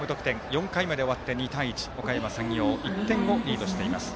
４回まで終わって２対１、おかやま山陽１点をリードしています。